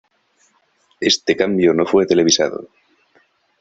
Éste cambio no fue televisado.